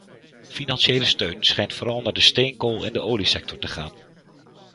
Financiële steun schijnt vooral naar de steenkool- en de oliesector te gaan.